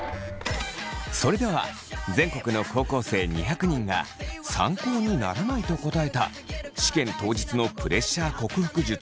それでは全国の高校生２００人が参考にならないと答えた試験当日のプレッシャー克服術